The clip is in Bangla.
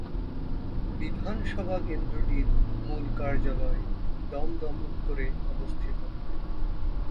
বিধানসভা কেন্দ্রটির মূল কার্যালয় দমদম উত্তরে অবস্থিত।